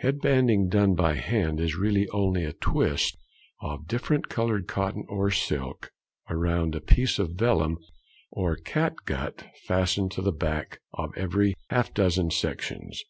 Head banding done by hand is really only a twist of different coloured cotton or silk round a piece of vellum or cat gut fastened to the back every half dozen sections.